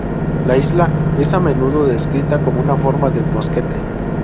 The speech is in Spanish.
La isla es a menudo descrita como una forma de mosquete.